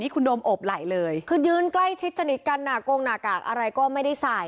โก่งหน้ากากอะไรก็ไม่ได้ใส่